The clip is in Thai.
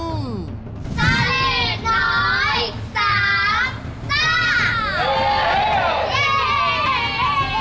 สละเล่นหน่อย๓